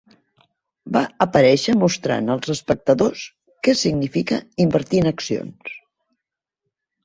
Va aparèixer mostrant els espectadors què significa invertir en accions.